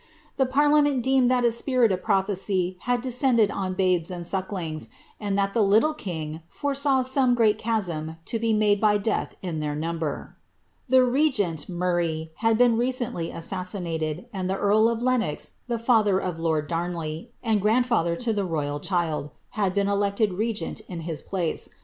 The parliament deemed that a spirit of prophecy haJ descended on babes and sucklings, and that the Itllle king foresaw soaie great chasm to be made by death in their number.' The regent, Murray, had been recendy assassinated, and the earl of Leno.\, the father of lord Darnley, and granilfalher to the royal diili had been elected regent in his place.